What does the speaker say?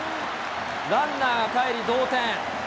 ランナーがかえり同点。